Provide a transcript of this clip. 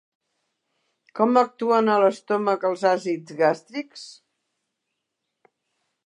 Com actuen a l'estómac els àcids gàstrics?